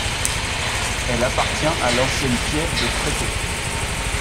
Elle appartient à l'ancienne piève de Freto.